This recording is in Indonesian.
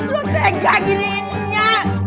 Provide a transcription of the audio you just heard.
lu tegak giniinnya